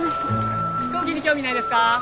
飛行機に興味ないですか？